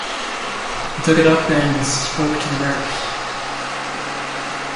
He took it up and spoke to the nurse.